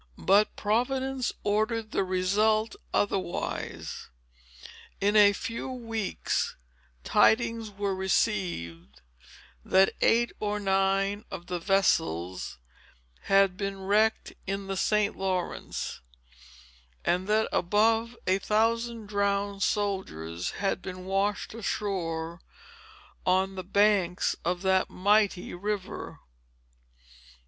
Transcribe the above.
But Providence ordered the result otherwise. In a few weeks, tidings were received, that eight or nine of the vessels had been wrecked in the St. Lawrence, and that above a thousand drowned soldiers had been washed ashore, on the banks of that mighty river.